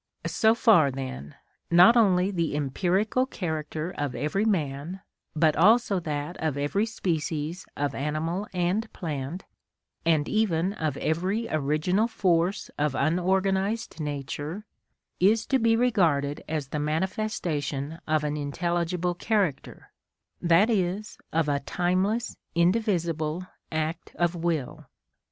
So far then, not only the empirical character of every man, but also that of every species of animal and plant, and even of every original force of unorganised nature, is to be regarded as the manifestation of an intelligible character, that is, of a timeless, indivisible act of will.